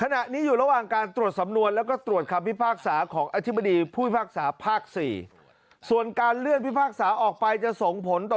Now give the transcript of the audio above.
นะครับมีคนเขาเอ้ยโอ้โห